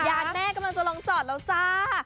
แม่กำลังจะลองจอดแล้วจ้า